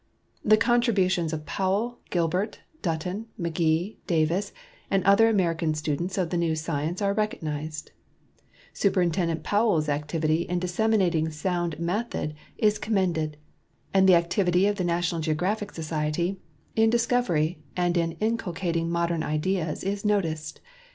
The contributions of Powell, Gilbert, Dutton, McGee, Davis, and other American students of the new science are recognized, Superintendent Powell's activity in disseminating sound method is com mended, and the activity of the National Geographic Society in discovery and in inculcating modern ideas is noticed.